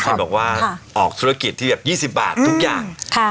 ที่บอกว่าออกธุรกิจที่แบบ๒๐บาททุกอย่าง